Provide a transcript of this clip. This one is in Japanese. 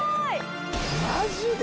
マジで？